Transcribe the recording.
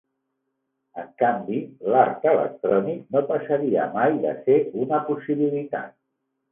En canvi, l'art electrònic no passaria mai de ser una possibilitat.